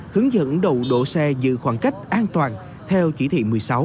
hướng dẫn đầu đỗ xe giữ khoảng cách an toàn theo chỉ thị một mươi sáu